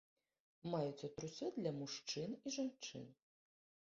Маюцца трусы для мужчын і жанчын.